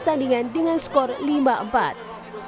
jokowi mengenakan pertandingan dengan skor lima empat